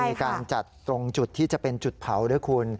มีการจัดตรงจุดที่จะเป็นจุดเผาด้วยคุณ